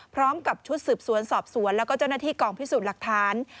พร้อมกับชุดสืบสวนสอบสวนแล้วก็เจ้าหน้าที่กองพิสูจน์หลักฐาน